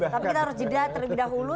tapi kita harus jeda terlebih dahulu